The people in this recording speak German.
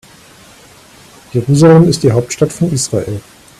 Jerusalem ist die Hauptstadt von Israel.